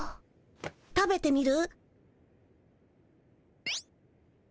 食べてみる？